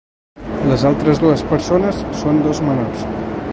Les altres dues persones son dos menors.